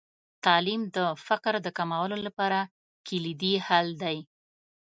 تعلیم د فقر د کمولو لپاره کلیدي حل دی.